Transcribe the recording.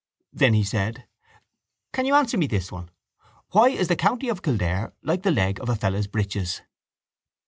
Then he said: —Can you answer me this one? Why is the county of Kildare like the leg of a fellow's breeches?